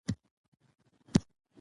د مور لارښوونه ماشوم ته مسووليت ورښيي.